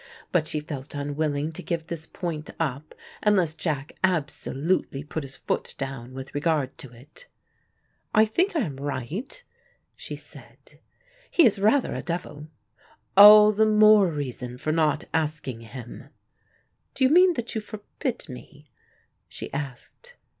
But she felt unwilling to give this point up, unless Jack absolutely put his foot down with regard to it. "I think I am right," she said. "He is rather a devil." "All the more reason for not asking him." "Do you mean that you forbid me?" she asked.